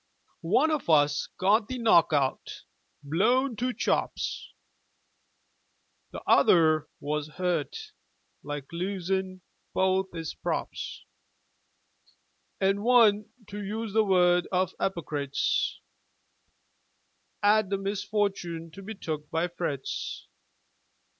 One of us got the knock out, blown to chops. T'other was hurt, like, losin' both 'is props. An' one, to use the word of 'ypocrites, 'Ad the misfortoon to be took by Fritz.